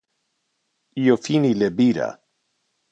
Io fini le bira.